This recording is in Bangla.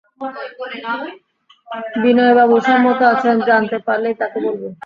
বিনয়বাবু সম্মত আছেন জানতে পারলেই তাঁকে বলব।